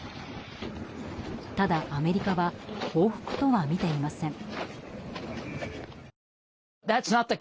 ただ、アメリカは報復とはみていません。